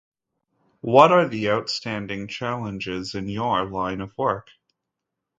What are the outstanding challenges in your line of work?